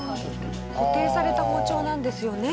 固定された包丁なんですよね。